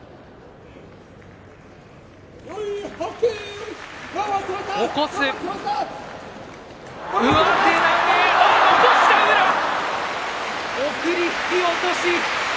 拍手拍手送り引き落とし。